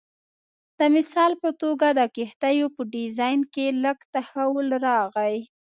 د مثال په توګه د کښتیو په ډیزاین کې لږ تحول راغی